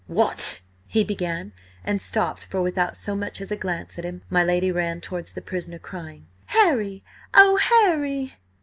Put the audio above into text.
"What—" he began, and stopped, for without so much as a glance at him, my lady ran towards the prisoner, crying: "Harry! Oh, Harry!"